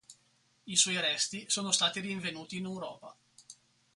I suoi resti sono stati rinvenuti in Europa.